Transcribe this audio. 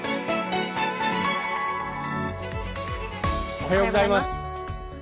おはようございます。